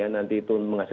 nanti itu menghasilkan